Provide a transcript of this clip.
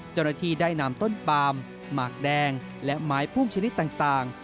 เจ้าหน้าที่ได้นำต้นปามหมากแดงและไม้พุ่งชนิดต่าง